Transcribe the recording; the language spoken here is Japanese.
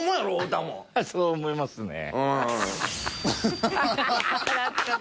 太田もそう思いますね